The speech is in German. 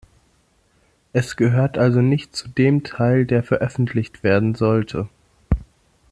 Es gehört also nicht zu dem Teil, der veröffentlicht werden sollte.